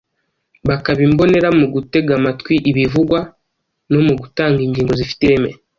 bakaba imbonera mu gutega amatwi ibivugwa no mu gutanga ingingo zifite ireme.